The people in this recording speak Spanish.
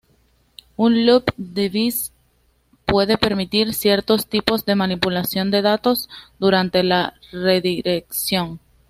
Un "loop device" puede permitir ciertos tipos de manipulación de datos durante esta redirección.